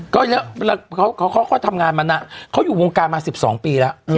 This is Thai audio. เขาเขาเขาเขาทำงานมันน่ะเขาอยู่วงการมาสิบสองปีแล้ว